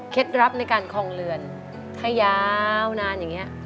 เคล็ดรับในการคลองเหลือนให้ยาวนานอย่างนี้